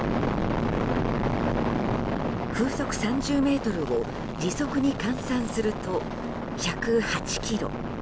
風速３０メートルを時速に換算すると１０８キロ。